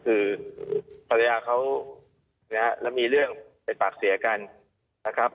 คือภรรยาเขานะฮะแล้วมีเรื่องเป็นปากเสียกันนะครับ